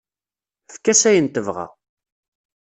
Efk-as ayen tebɣa.